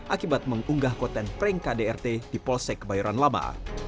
akibat mengunggah konten prank kdrt di polsek kebayoran lama